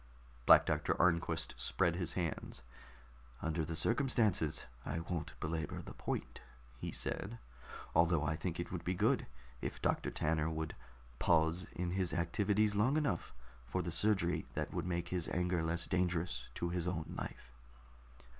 Black Doctor Arnquist spread his hands. "Under the circumstances, I won't belabor the point," he said, "although I think it would be good if Doctor Tanner would pause in his activities long enough for the surgery that would make his anger less dangerous to his own life.